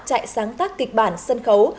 chạy sáng tác kịch bản sân khấu